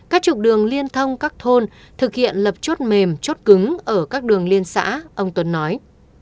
các trục đường liên thông các thôn thực hiện lập chốt mềm chốt cứng ở các đường liên xã ông tuấn nói